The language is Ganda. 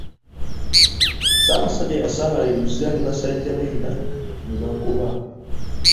Ssaabasajja yasaabala e Luzira ne basajja be nga ne bagoba.